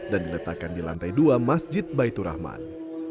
dan diletakkan di lantai dua masjid baitur rahman